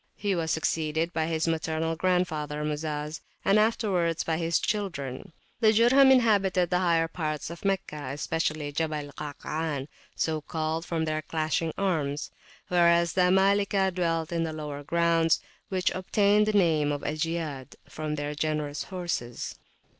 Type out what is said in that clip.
He was succeeded by his maternal grandfather Muzaz, and afterwards by his children. The Jurham inhabited the higher parts of Meccah, especially Jabal Kaakaan, so called from their clashing arms; whereas the Amalikah dwelt in the lower grounds, which obtained the name of Jiyad, from their generous horses.